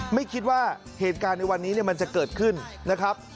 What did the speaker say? ไม่คิดว่าเหตุการณ์ในวันนี้มันจะเกิดขึ้นนะครับ